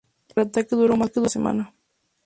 El ataque duró más de una semana.